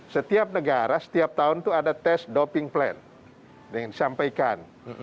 setiap negara setiap tahun itu ada tes doping plan yang disampaikan